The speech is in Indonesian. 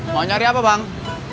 mau nyari apa bang